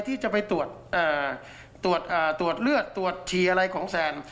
ที่จะไปตรวจตรวจเลือดตรวจฉี่อะไรของแซน